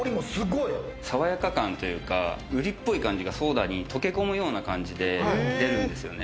爽やか感というか、うりっぽい感じがソーダに溶け込むような感じで出るんですよね。